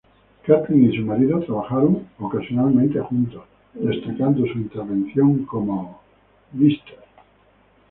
Kathleen y su marido trabajaron ocasionalmente juntos, destacando su intervención como Mr.